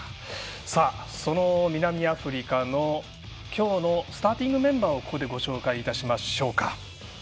その南アフリカの今日のスターティングメンバーをご紹介いたしましょうか。